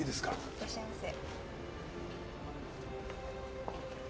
いらっしゃいませ。